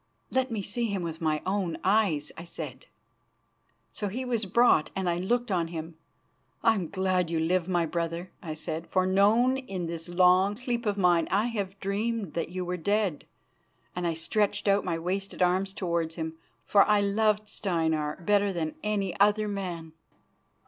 "Let me see him with my own eyes," I said. So he was brought, and I looked on him. "I am glad you live, my brother," I said, "for know in this long sleep of mine I have dreamed that you were dead"; and I stretched out my wasted arms towards him, for I loved Steinar better than any other man.